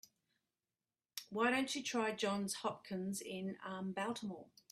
Why don't you try Johns Hopkins in Baltimore?